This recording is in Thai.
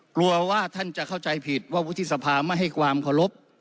กลัวว่าท่านจะเข้าใจผิดว่าวุฒิสภาไม่ให้ความเคารพ